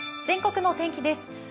全国のお天気です。